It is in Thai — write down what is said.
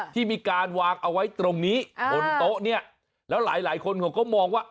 ที่มีการวางเอาไว้ตรงนี้บนโต๊ะเนี่ยแล้วหลายคนเขาก็มองว่า